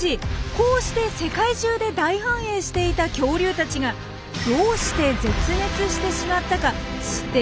こうして世界中で大繁栄していた恐竜たちがどうして絶滅してしまったか知っていますか？